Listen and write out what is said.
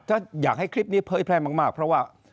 ถ้าอยากให้คลิปนี้เผยแพร่มากเพราะว่า